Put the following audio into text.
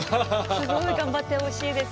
すごい頑張ってほしいです。